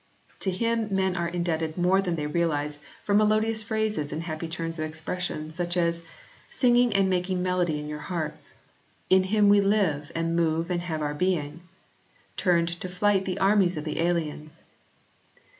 To him men are indebted more than they realise for melodious phrases and happy turns of expression, such as :" singing and making melody in your hearts"; "in Him we live and move and have our being ";" turned to flight the armies of the aliens."